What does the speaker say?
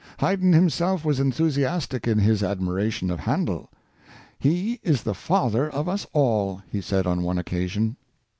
Haydn himself was enthusiastic in his admiration of Handel. " He is the father of us all," he said on one occasion.